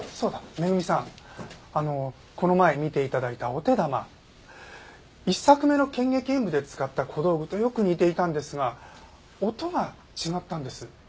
恵さんあのこの前見て頂いたお手玉１作目の『剣戟炎武』で使った小道具とよく似ていたんですが音が違ったんです。